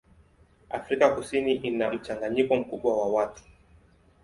Afrika Kusini ina mchanganyiko mkubwa wa watu.